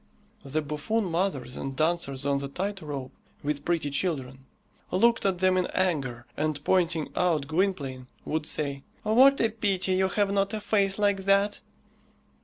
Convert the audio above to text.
The buffoon mothers and dancers on the tight rope, with pretty children, looked at them in anger, and pointing out Gwynplaine, would say, "What a pity you have not a face like that!"